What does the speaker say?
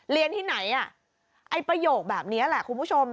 เรียนที่ไหนอ่ะไอ้ประโยคแบบนี้แหละคุณผู้ชม